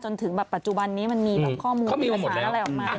จนถึงแบบปัจจุบันนี้มันมีแบบข้อมูลมีหลักฐานอะไรออกมา